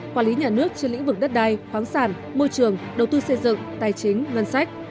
quản lý nhà nước trên lĩnh vực đất đai khoáng sản môi trường đầu tư xây dựng tài chính ngân sách